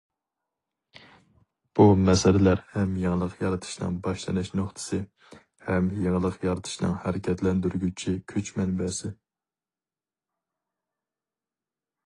بۇ مەسىلىلەر ھەم يېڭىلىق يارىتىشنىڭ باشلىنىش نۇقتىسى، ھەم يېڭىلىق يارىتىشنىڭ ھەرىكەتلەندۈرگۈچى كۈچ مەنبەسى.